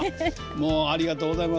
もうありがとうございます。